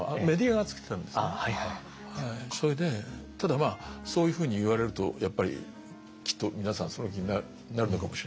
それでただまあそういうふうに言われるとやっぱりきっと皆さんその気になるのかもしれないし。